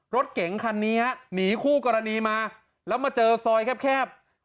รถเก๋งคันนี้ฮะหนีคู่กรณีมาแล้วมาเจอซอยแคบ